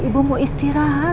ibu mau istirahat